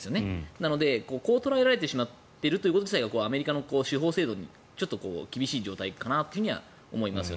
なので、こう捉えられてしまっていること自体がアメリカの司法制度厳しい状態かなと思います。